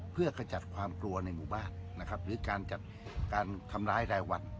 เพื่อกระจัดความกลัวในหมู่บ้านหรือการทำร้ายรายวัน